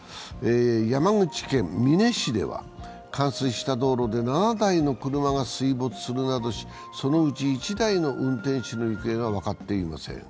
山口県美祢市では冠水した道路で７台の車が水没するなどし、そのうち１台の運転手の行方が分かっていません。